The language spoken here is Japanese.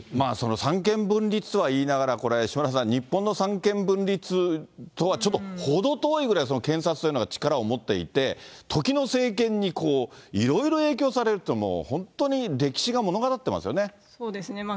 三権分立とはいいながらこれ、島田さん、日本の三権分立とはちょっと程遠いくらい検察というのが力を持っていて、時の政権にいろいろ影響されるというのは、そうですね。